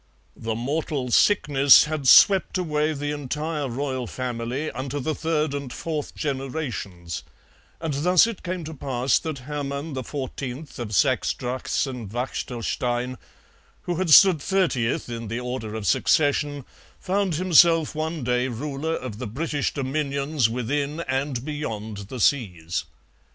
The Mortal Sickness had swept away the entire Royal Family, unto the third and fourth generations, and thus it came to pass that Hermann the Fourteenth of Saxe Drachsen Wachtelstein, who had stood thirtieth in the order of succession, found himself one day ruler of the British dominions within and beyond the seas.